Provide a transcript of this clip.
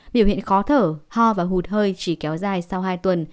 biểu hiện khó thở ho và hụt hơi chỉ kéo dài sau hai tuần